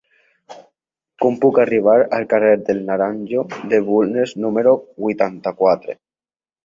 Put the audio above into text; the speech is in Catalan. Com puc arribar al carrer del Naranjo de Bulnes número vuitanta-quatre?